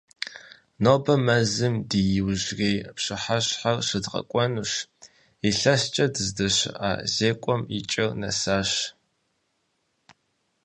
Нобэ мэзым ди иужьрей пщыхьэщхьэр щыдгъэкӏуэнущ, илъэскӀэ дыздэщыӀа зекӀуэр и кӏэм нэсащ.